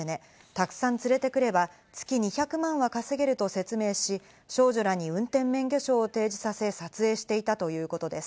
たくさん連れてくれば月２００万円は稼げると説明し、少女らに運転免許証を提示させ、撮影していたということです。